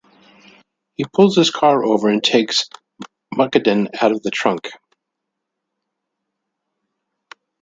He pulls his car over and takes Mukundan out of the trunk.